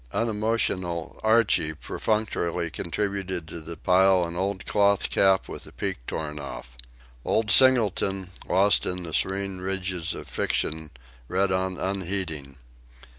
Unemotional Archie perfunctorily contributed to the pile an old cloth cap with the peak torn off. Old Singleton, lost in the serene regions of fiction, read on unheeding.